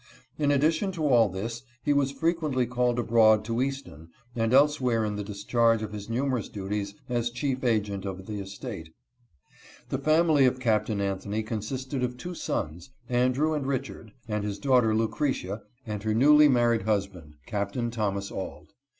In addition to all this he was frequently called abroad to Easton and elsewhere in the discharge of his numerous duties as chief agent of the estate. The family of Captain Anthony consisted of two sons — Andrew and Richard, and his daughter Lucretia and her newly married husband, Captain Thomas Auld.